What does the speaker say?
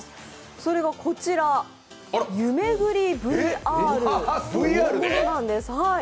それがこちら、湯めぐりＶＲというものなんです。